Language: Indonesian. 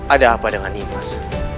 ada apa dengan nimas